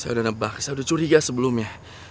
saya udah nebak saya udah curiga sebelumnya